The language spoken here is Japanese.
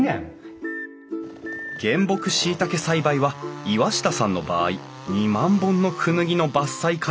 原木しいたけ栽培は岩下さんの場合２万本のクヌギの伐採から始まる。